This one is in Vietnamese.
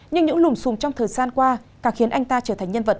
nhưng những lùm xùm trong thời gian qua càng khiến anh ta trở thành nhân vật